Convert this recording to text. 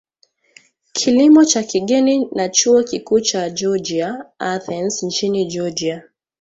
Kilimo cha Kigeni na Chuo Kikuu cha Georgia Athens nchini Georgia